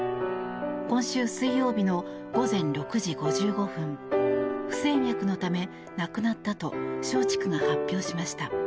今週水曜日の午前６時５５分不整脈のため亡くなったと松竹が発表しました。